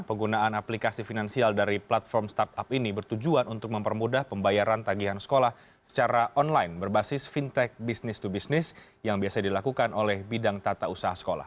penggunaan aplikasi finansial dari platform startup ini bertujuan untuk mempermudah pembayaran tagihan sekolah secara online berbasis fintech bisnis to bisnis yang biasa dilakukan oleh bidang tata usaha sekolah